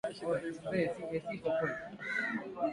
Waganda wanaoishi karibu na mpaka wa Tanzania